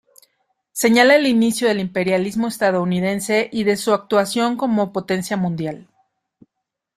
Señala el inicio del imperialismo estadounidense y de su actuación como potencia mundial.